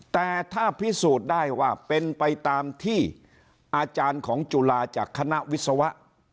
แต่ถ้าพิสูจน์ได้ว่าเป็นไปตามที่อาจารย์ของจุฬาจากคณะวิศวะ